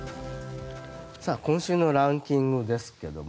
今週のランキングですけども。